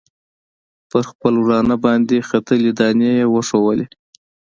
پر خپل ورانه باندې ختلي دانې یې وښودلې.